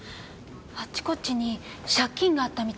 あっちこっちに借金があったみたいで。